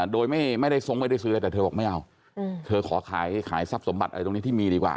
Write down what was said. โดยไม่ได้ทรงไม่ได้ซื้อแต่เธอบอกไม่เอาเธอขอขายทรัพย์สมบัติอะไรตรงนี้ที่มีดีกว่า